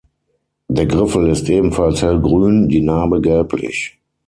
Der Griffel ist ebenfalls hellgrün, die Narbe gelblich.